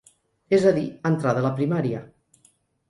És a dir, entrada la primària.